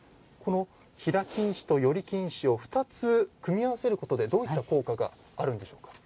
平金糸と撚り金糸を２つ組み合わせることでどういった効果があるんでしょうか。